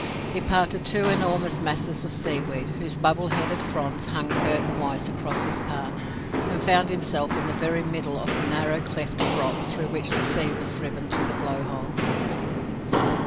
He parted two enormous masses of seaweed, whose bubble headed fronds hung curtainwise across his path, and found himself in the very middle of the narrow cleft of rock through which the sea was driven to the Blow hole.